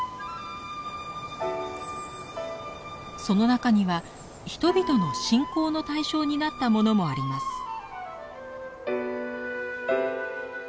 その中には人々の信仰の対象になったものもあります。